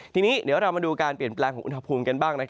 ทีนี้เดี๋ยวเรามาดูการเปลี่ยนแปลงของอุณหภูมิกันบ้าง